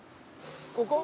ここ？